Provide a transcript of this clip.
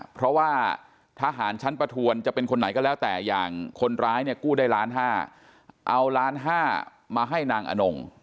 เพราะว่าทหารชั้นประทวนจะเป็นคนไหนก็แล้วแต่อย่างคนร้ายเนี่ยกู้ได้ล้านห้าเอาล้านห้ามาให้นางอนง